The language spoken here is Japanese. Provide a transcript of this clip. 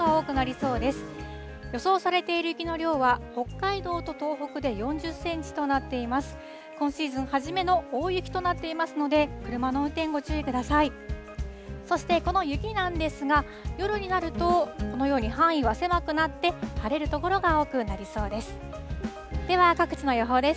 そしてこの雪なんですが、夜になると、このように範囲は狭くなって、晴れる所が多くなりそうです。